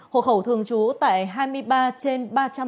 hộ khẩu thường chú tại hai mươi ba trên ba trăm bốn mươi bảy